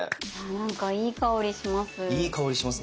なんかいい香りします。